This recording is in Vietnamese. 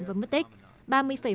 và mất tích